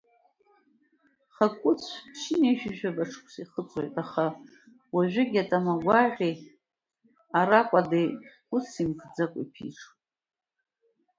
Хакәыцә ԥшьынҩажәижәаба шықәса ихыҵуеит, аха уажәгьы атама гәаӷьи ара кәадеи усс имкӡакәа иԥиҽуеит!